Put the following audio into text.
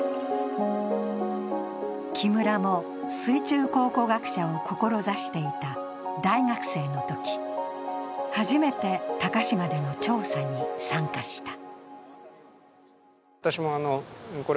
木村も水中考古学者を志していた大学生のとき、初めて鷹島での調査に参加した。